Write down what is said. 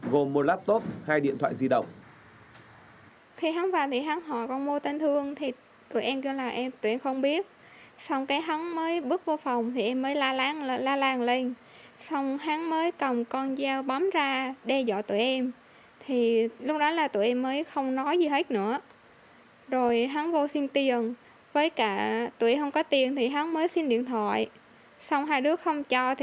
gồm một laptop hai điện thoại di động